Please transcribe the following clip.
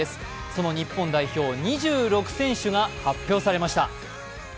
その日本代表、２６選手が発表されました。